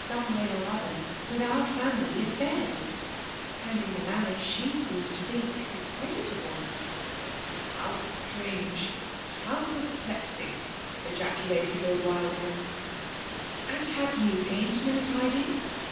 some way. or other with our family affairs, and in u manner she seems fo think discreditable/'. " How strange ! ^how perplexing !'* qa ' culated Lord Wildingham. . ''And hare fou gained no tadrngs?